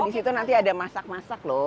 disitu nanti ada masak masak loh